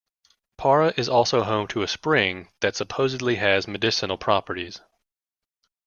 Para is also home to a spring that supposedly has medicinal properties.